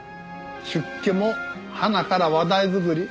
出家もはなから話題作り。